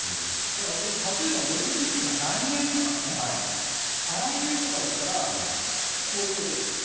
これ、例えばオリンピックが来年とか再来年とかだったらこういうことですよ。